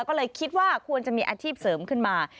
ก็เลยคิดว่าควรจะมีอาชีพเสริมขึ้นมา